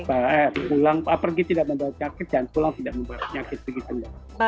apalagi tidak membawa penyakit dan pulang tidak membawa penyakit begitu